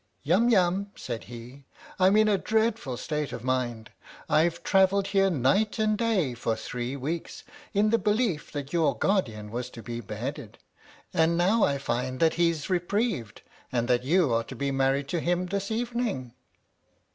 " Yum Yum," said he, "I'm in a dreadful state of mind. I've travelled here night and day for three weeks in the belief that your guardian was to be beheaded, and now I find that he's reprieved and that you are to be married to him this evening